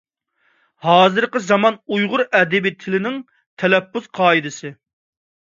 ھازىرقى زامان ئۇيغۇر ئەدەبىي تىلىنىڭ تەلەپپۇز قائىدىسى